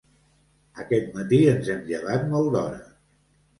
Aquest matí ens hem llevat molt d'hora.